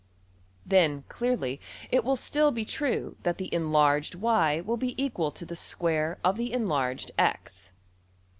Then, clearly, it will still be true that the enlarged~$y$ will be equal to the square of the enlarged~$x$.